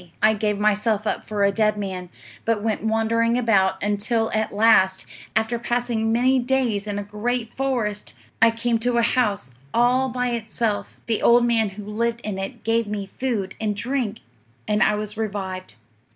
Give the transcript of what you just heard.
"'I gave myself up for a dead man, but went wandering about, until at last, after passing many days in a great forest, I came to a house, all by itself; the old man who lived in it gave me food and drink, and I was revived.